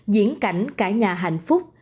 diễn cảnh cả nhà hạnh phúc